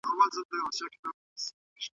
ایا هغه په ګڼ ځای کي د ږغ سره ډوډۍ راوړي؟